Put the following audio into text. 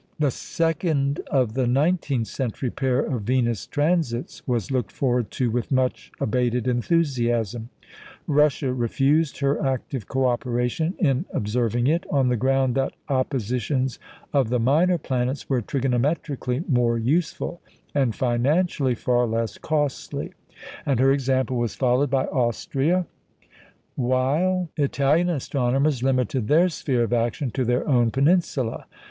The second of the nineteenth century pair of Venus transits was looked forward to with much abated enthusiasm. Russia refused her active co operation in observing it, on the ground that oppositions of the minor planets were trigonometrically more useful, and financially far less costly; and her example was followed by Austria; while Italian astronomers limited their sphere of action to their own peninsula.